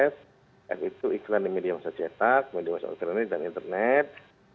f itu iklan di media masa cetak media masa organik dan internet